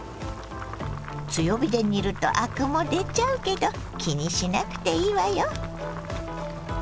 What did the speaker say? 強火で煮るとアクも出ちゃうけど気にしなくていいわよ。